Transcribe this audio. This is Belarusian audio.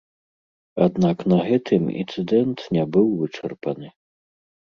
Аднак на гэтым інцыдэнт не быў вычарпаны.